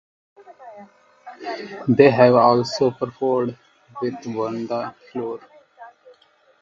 They have also performed with "Burn the Floor".